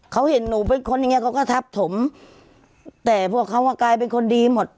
เขาเห็นหนูเป็นคนอย่างเงี้เขาก็ทับถมแต่พวกเขาอ่ะกลายเป็นคนดีหมด